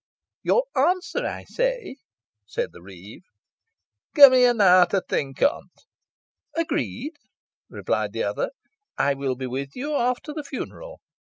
"Your answer, I say?" said the reeve. "Gi' me an hour to think on't," said the miller. "Agreed," replied the other. "I will be with you after the funeral."